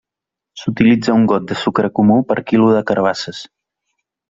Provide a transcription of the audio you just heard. S'utilitza un got de sucre comú per quilo de carabasses.